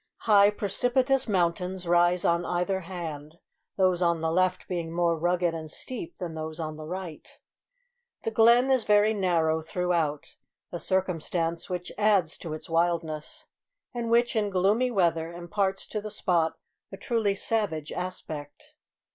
High precipitous mountains rise on either hand those on the left being more rugged and steep than those on the right. The glen is very narrow throughout a circumstance which adds to its wildness; and which, in gloomy weather, imparts to the spot a truly savage aspect.